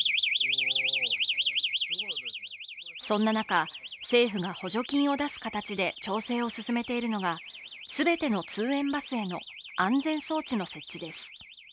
そんな中、政府が補助金を出す形で調整を進めているのが、全ての通園バスへの安全装置の設置です。